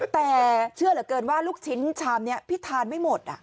แต่เชื่อเหลือเกินว่าลูกชิ้นชามนี้พี่ทานไม่หมด